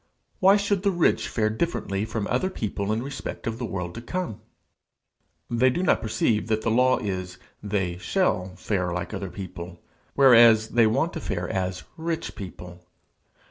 Why should the rich fare differently from other people in respect of the world to come? They do not perceive that the law is they shall fare like other people, whereas they want to fare as rich people.